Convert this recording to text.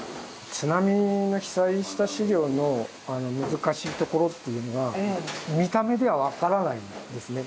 津波で被災した資料の難しいところっていうのは見た目では分からないんですね。